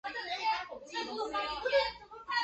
刑罚不得重于犯罪时适用的法律规定。